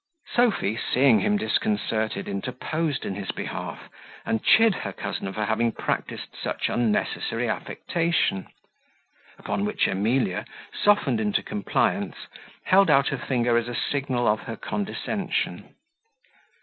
Sophy, seeing him disconcerted, interposed in his behalf, and chid her cousin for having practised such unnecessary affectation; upon which, Emilia, softened into compliance, held out her finger as a signal of her condescension.